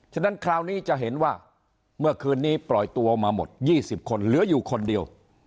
ฉะนั้นคราวนี้จะเห็นว่าเมื่อคืนนี้ปล่อยตัวมาหมด๒๐คนเหลืออยู่คนเดียว